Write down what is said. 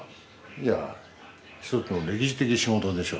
いやひとつの歴史的仕事でしょ。